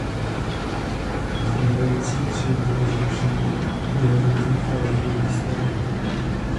Zbývající tři byly zrušeny během různých fází jejich výstavby.